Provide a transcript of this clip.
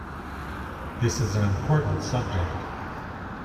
This is an important subject.